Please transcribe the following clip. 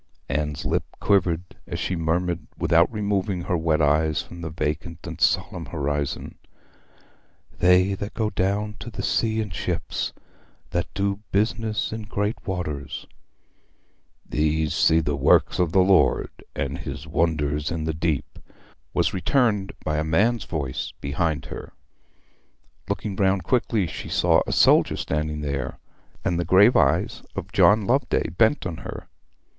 Anne's lip quivered as she murmured, without removing her wet eyes from the vacant and solemn horizon, '"They that go down to the sea in ships, that do business in great waters "' '"These see the works of the Lord, and His wonders in the deep,"' was returned by a man's voice from behind her. Looking round quickly, she saw a soldier standing there; and the grave eyes of John Loveday bent on her.